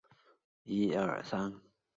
终于不再追寻的我